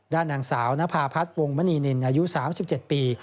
ด้านนางสาวนภาพัฒน์วงมณีนินอายุ๓๗ปี